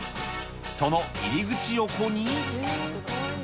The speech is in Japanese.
その入り口横に。